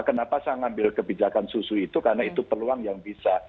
kenapa saya ngambil kebijakan susu itu karena itu peluang yang bisa